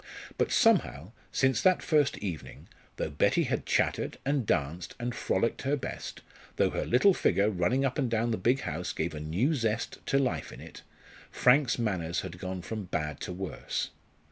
But somehow, since that first evening, though Betty had chattered, and danced, and frolicked her best, though her little figure running up and down the big house gave a new zest to life in it, Frank's manners had gone from bad to worse.